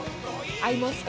あいますか？